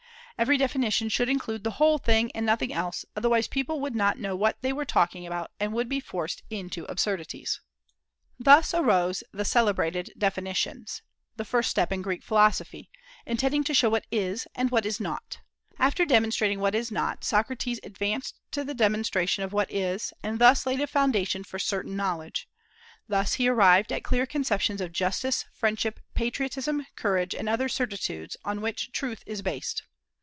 Every definition should include the whole thing, and nothing else; otherwise, people would not know what they were talking about, and would be forced into absurdities. Thus arose the celebrated "definitions," the first step in Greek philosophy, intending to show what is, and what is not. After demonstrating what is not, Socrates advanced to the demonstration of what is, and thus laid a foundation for certain knowledge: thus he arrived at clear conceptions of justice, friendship, patriotism, courage, and other certitudes, on which truth is based.